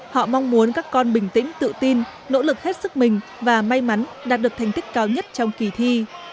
họ mong muốn các con bình tĩnh tự tin nỗ lực hết sức mình và may mắn đạt được thành tích cao nhất trong kỳ thi